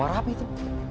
suara apa itu